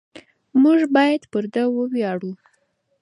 موږ باید پر ده وویاړو.